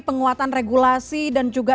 penguatan regulasi dan juga